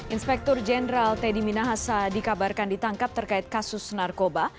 inspektur jenderal teddy minahasa dikabarkan ditangkap terkait kasus narkoba